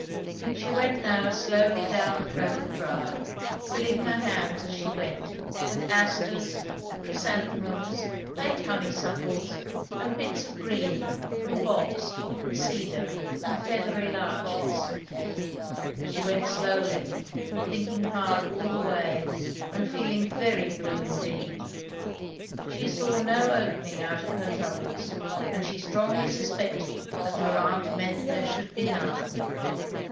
She went now slowly down the gravelled drive, filling her hands as she went with asters, chrysanthemums, late honeysuckles, and bits of green from box and cedar and feathery larches. She went slowly, thinking hard all the way, and feeling very blue indeed. She saw no opening out of her troubles, and she strongly suspected that her aunt meant there should be none.